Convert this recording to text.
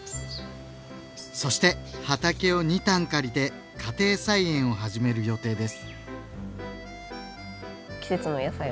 そして畑を２反借りて家庭菜園を始める予定です。